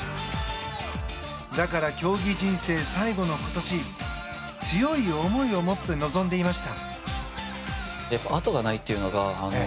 だから競技人生最後の今年強い思いを持って臨んでいました。